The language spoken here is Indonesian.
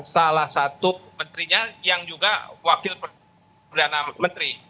salah satu menterinya yang juga wakil perdana menteri